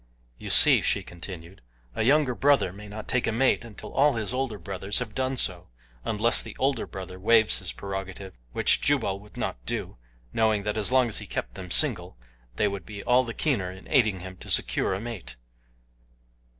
"You see," she continued, "a younger brother may not take a mate until all his older brothers have done so, unless the older brother waives his prerogative, which Jubal would not do, knowing that as long as he kept them single they would be all the keener in aiding him to secure a mate."